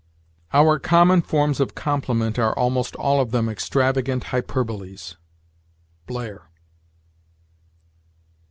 "Our common forms of compliment are almost all of them extravagant hyperboles." Blair.